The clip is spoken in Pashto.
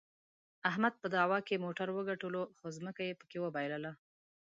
احمد په دعوا کې موټر وګټلو، خو ځمکه یې پکې د وباییلله.